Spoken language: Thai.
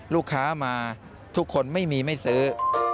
ลูกค้ามาทุกคนไม่มีไม่ซื้อ